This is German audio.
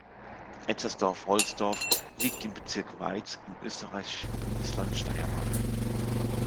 Etzersdorf-Rollsdorf liegt im Bezirk Weiz im österreichischen Bundesland Steiermark.